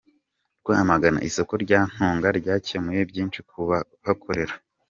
Rwamagana Isoko rya Ntunga ryakemuye byinshi ku bahakorera